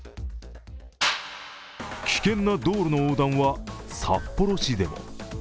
危険な道路の横断は札幌市でも。